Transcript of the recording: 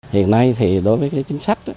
hiện nay thì đối với chính sách